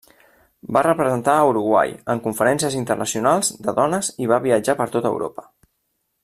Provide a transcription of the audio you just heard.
Va representar a Uruguai en conferències internacionals de dones i va viatjar per tota Europa.